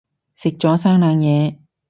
食咗生冷嘢